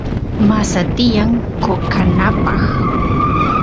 masa tiyan qoqanapaq